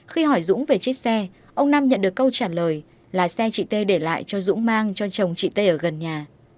khi hỏi dũng về chiếc xe ông năm nhận được câu trả lời là xe chị t để lại cho dũng mang cho chồng chị t ở gần nhà